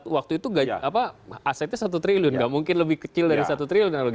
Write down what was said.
waktu itu asetnya satu triliun nggak mungkin lebih kecil dari satu triliun